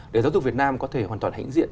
để giáo dục việt nam có thể hoàn toàn hãnh diện